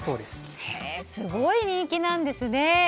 すごい人気なんですね！